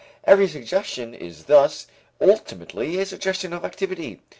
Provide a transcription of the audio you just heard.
Every suggestion is thus ultimately a suggestion of activity.